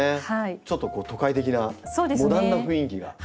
ちょっと都会的なモダンな雰囲気が。